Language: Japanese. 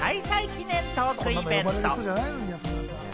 記念トークイベント。